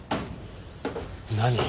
何？